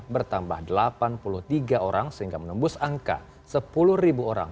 bertambah delapan puluh tiga orang sehingga menembus angka sepuluh orang